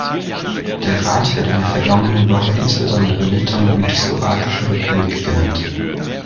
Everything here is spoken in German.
Der Rat hat in der vergangenen Woche insbesondere Litauen und die Slowakische Republik genannt.